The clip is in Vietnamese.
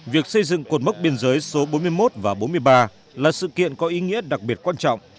việc xây dựng cột mốc biên giới số bốn mươi một và bốn mươi ba là sự kiện có ý nghĩa đặc biệt quan trọng